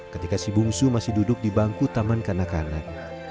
ketika si bungsu masih duduk di bangku taman kanak kanak